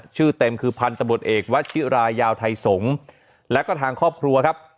ชื่อเต็มคือพันธบทเอกวัชิรายาวไทยสงฆ์และก็ทางครอบครัวครับ